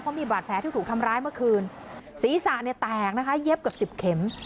มีบาดแผลที่ถูกทำร้ายเมื่อคืนศีรษะเนี่ยแตกนะคะเย็บเกือบสิบเข็ม